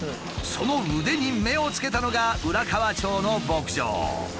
その腕に目をつけたのが浦河町の牧場。